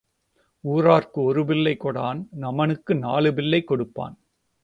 உற்றார்க்கு ஒரு பிள்ளை கொடான் நமனுக்கு நாலு பிள்ளை கொடுப்பான்.